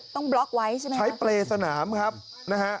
บล็อกไว้ใช่ไหมใช้เปรย์สนามครับนะฮะ